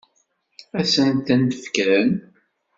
Ad sen-tent-fken?